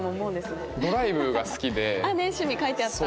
ねえ趣味書いてあった。